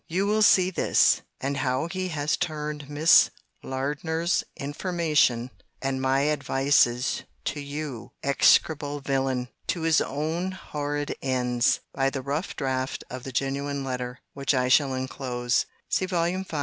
—You will see this, and how he has turned Miss Lardner's information, and my advices to you, [execrable villain!] to his own horrid ends, by the rough draught of the genuine letter, which I shall enclose.* * See Vol. V.